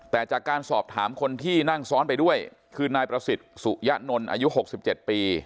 แต่จากการสอบถามคนที่นั่งซ้อนไปด้วยคือนายประสิทธิ์สุยะนนท์อายุ๖๗ปี